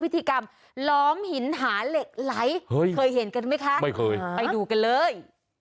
พิธีกรรมล้อมหินหาเหล็กไหลเคยเห็นกันไหมคะไม่เคยไปดูกันเลย